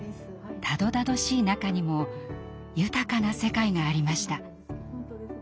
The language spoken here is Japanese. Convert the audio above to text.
たどたどしい中にも豊かな世界がありました。